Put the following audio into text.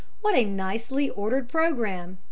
"What a nicely ordered programme!